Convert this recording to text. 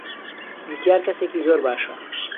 جوتیار کەسێکی زۆر باشە.